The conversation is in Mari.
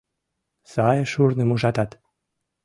«Сае шурным ужатат